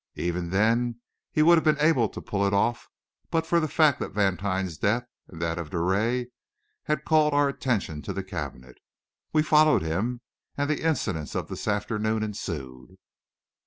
Even then, he would have been able to pull it off but for the fact that Vantine's death and that of Drouet had called our attention to the cabinet; we followed him, and the incidents of this afternoon ensued."